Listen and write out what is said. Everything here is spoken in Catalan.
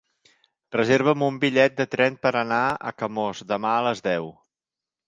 Reserva'm un bitllet de tren per anar a Camós demà a les deu.